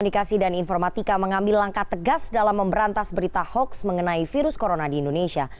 komunikasi dan informatika mengambil langkah tegas dalam memberantas berita hoax mengenai virus corona di indonesia